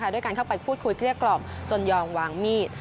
ด้วยการเข้าไปพูดคุยเกลี้ยกล่อมจนยอมวางมีด